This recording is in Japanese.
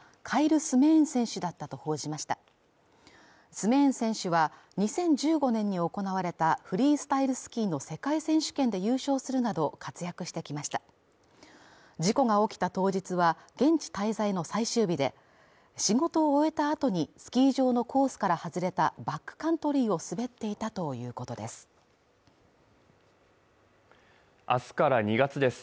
スメーン選手は２０１５年に行われたフリースタイルスキーの世界選手権で優勝するなど活躍してきました事故が起きた当日は現地滞在の最終日で仕事を終えたあとにスキー場のコースから外れたバックカントリーを滑っていたということです明日から２月です